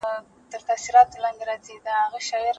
د سبا ورځې په اړه پرېکړه کول ګران کار دی.